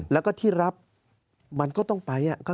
แล้วก็ที่รับมันก็ต้องไป